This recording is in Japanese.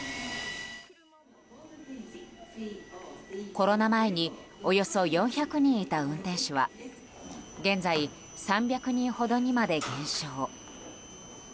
コロナ前におよそ４００人いた運転手は現在３００人ほどにまで減少。